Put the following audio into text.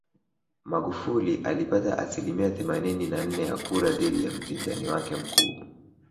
Magufuli alipata asilimia themanini na nne ya kura dhidi ya mpinzani wake mkuu